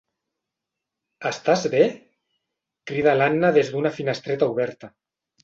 Estàs bé? —crida l'Anna des d'una finestreta oberta.